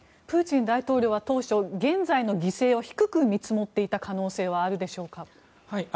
プーチン大統領は当初現在の犠牲を低く見積もっていた可能性はあるでしょうか。